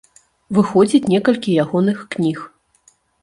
Выходзіць некалькі ягоных кніг.